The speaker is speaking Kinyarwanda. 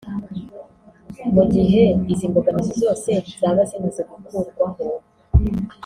Mu gihe izi mbogamizi zoze zaba zimaze gukurwaho